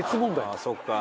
ああそっか。